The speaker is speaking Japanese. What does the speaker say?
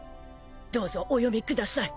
どうぞお読みください。